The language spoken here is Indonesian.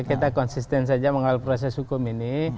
kita konsisten saja mengawal proses hukum ini